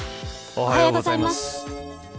おはようございます。